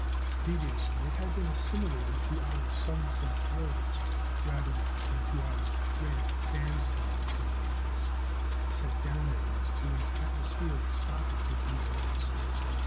Previously it had been assimilated to our sunset glows rather than to our red sandstone formations set down, that is, to an atmospheric stoppage of blue rays.